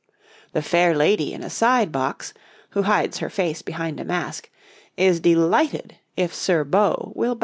The fair lady in a side box, who hides her face behind a mask, is delighted if Sir Beau will bow to her.